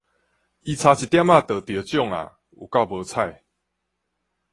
伊差一點仔就著獎矣，有夠無彩